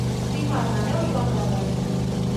Dimarts na Neus va a Prades.